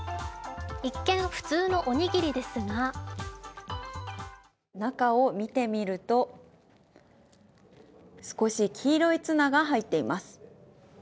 一見、普通のおにぎりですが中を見てみると少し黄色いツナが入っています。